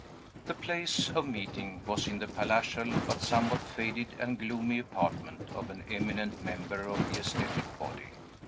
The place of meeting was in the palatial, but somewhat faded and gloomy apartment of an eminent member of the aesthetic body.